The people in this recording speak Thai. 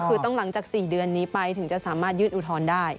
คือต้องหลังจาก๔เดือนนี้ไปถึงจะสามารถยื่นอุทธรณ์ได้